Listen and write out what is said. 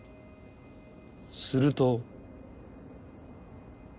すると。